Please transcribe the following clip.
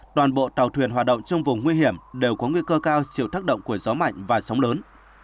toàn bộ tàu thuyền hoạt động trong vùng nguy hiểm đều có nguy cơ cao chịu tác động của gió mạnh và sóng lớn